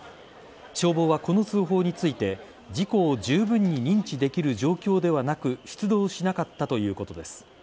消防はこの通報について事故をじゅうぶんに認知できる状況ではなく出動しなかったということです。